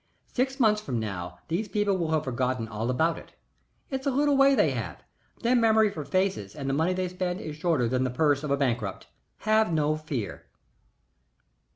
Six months from now these people will have forgotten all about it. It's a little way they have. Their memory for faces and the money they spend is shorter than the purse of a bankrupt. Have no fear."